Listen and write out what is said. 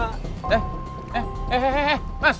ternyata ketakutan mama salah